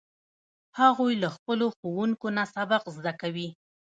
هغوی له خپلو ښوونکو نه سبق زده کوي